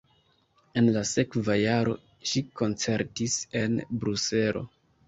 En la sekva jaro ŝi koncertis en Bruselo.